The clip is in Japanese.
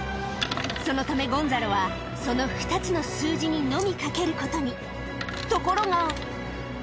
そのためゴンザロはその２つの数字にのみ賭けることにところが